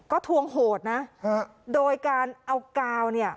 ก็ทวงโหดนะโดยการเอากาวเนี่ย